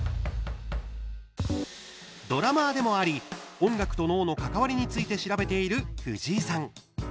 ドラマーでもあり音楽と脳の関わりについて調べている、藤井さん。